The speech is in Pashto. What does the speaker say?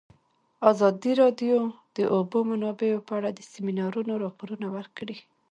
ازادي راډیو د د اوبو منابع په اړه د سیمینارونو راپورونه ورکړي.